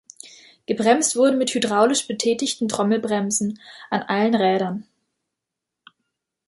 Gebremst wurde mit hydraulisch betätigten Trommelbremsen an allen Rädern.